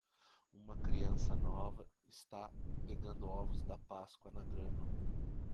Uma criança nova está pegando ovos da páscoa na grama.